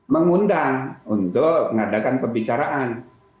mengundang untuk mengadakan pembicaraan